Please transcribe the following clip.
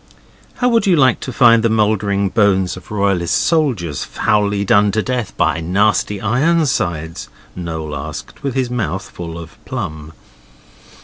'How would you like to find the mouldering bones of Royalist soldiers foully done to death by nasty Ironsides?' Noel asked, with his mouth full of plum.